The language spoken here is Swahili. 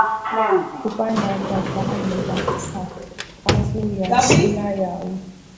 kupanda kwa thamani ya sarafu ya china ya yuan